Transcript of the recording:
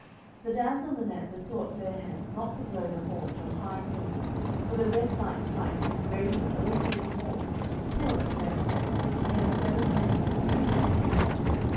The damsel Linet besought Fair hands not to blow the horn till high noon, for the Red Knight's might grew greater all through the morn, till, as men said, he had seven men's strength.